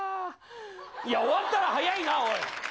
いや、終わったら早いな、おい。